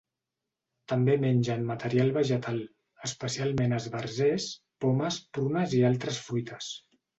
També mengen material vegetal, especialment esbarzers, pomes, prunes i altres fruites.